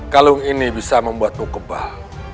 kalung ini bisa membuatmu kebal